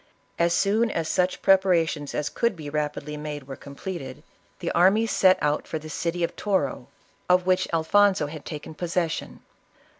As soon as such preparations as could be rapidly 76 ISABELLA OF CASTILE. made, were completed, the army set out for the cit^ of Toro, of which Alfonso had taken possession.